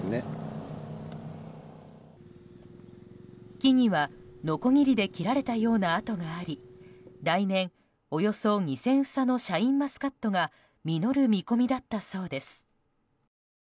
木には、のこぎりで切られたような跡があり来年、およそ２０００房のシャインマスカットが実る見込みだったそうです。